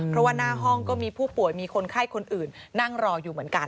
เพราะว่าหน้าห้องก็มีผู้ป่วยมีคนไข้คนอื่นนั่งรออยู่เหมือนกัน